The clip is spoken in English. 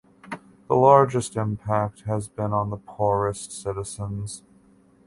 The largest impact has been on the poorest citizens.